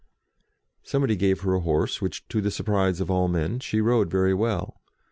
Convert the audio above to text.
Somebody gave her a horse, which, to the surprise of all men, she rode very well.